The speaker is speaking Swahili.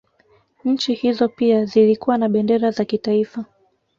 Nchi hizo pia zilikuwa na bendera za kitaifa